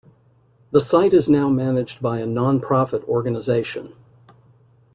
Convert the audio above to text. The site is now managed by a non-profit organization.